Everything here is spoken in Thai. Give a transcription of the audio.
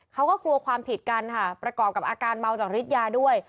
เขาก็กลัวความผิดกันค่ะประกอบกับอาการเมาจากฤทธิยาด้วย